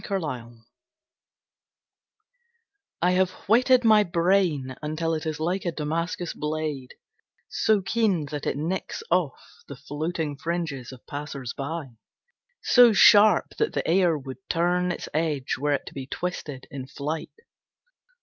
Miscast I I have whetted my brain until it is like a Damascus blade, So keen that it nicks off the floating fringes of passers by, So sharp that the air would turn its edge Were it to be twisted in flight.